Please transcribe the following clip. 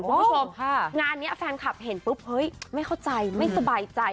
คุณผู้ชมงานนี้แฟนคลับเห็นปุ๊บเฮ้ยไม่เข้าใจไม่สบายใจ